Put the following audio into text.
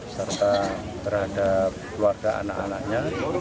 serta terhadap keluarga anak anaknya